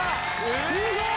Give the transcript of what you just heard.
すごい！